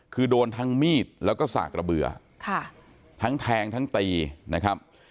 คือโดนทั้งมีดแล้วก็สากระเบื่อทั้งแทงทั้งตีนะครับ